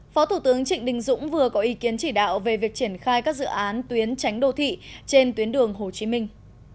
phó thủ tướng trịnh đình dũng vừa có ý kiến chỉ đạo về việc triển khai các dự án tuyến tránh đô thị trên tuyến đường hồ chí minh